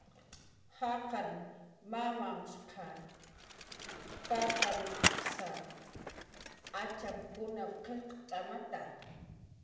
Jaqarn mamamshqa, tatamshqaps atxamkun qillqt'amata.